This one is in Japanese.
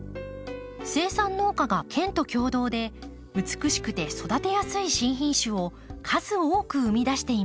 生産農家が県と共同で美しくて育てやすい新品種を数多く生み出しています。